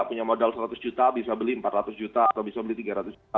punya modal seratus juta bisa beli empat ratus juta atau bisa beli tiga ratus juta